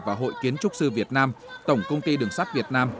và hội kiến trúc sư việt nam tổng công ty đường sắt việt nam